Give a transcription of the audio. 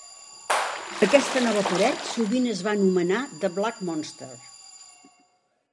Aquesta nova paret sovint es va anomenar "The Black Monster".